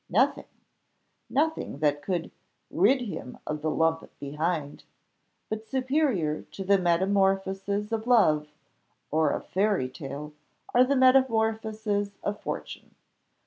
Nothing nothing that could "rid him of the lump behind." But superior to the metamorphoses of love, or of fairy tale, are the metamorphoses of fortune.